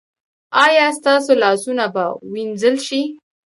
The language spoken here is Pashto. ایا ستاسو لاسونه به وینځل شي؟